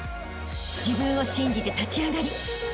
［自分を信じて立ち上がりあしたへ